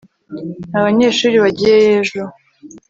nta banyeshuri bagiyeyo ejo